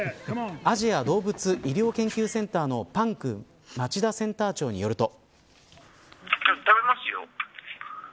アジア動物医療研究センターのパンク町田センター長によると。